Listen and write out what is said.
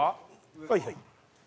はいはい。